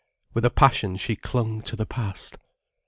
With a passion she clung to the past.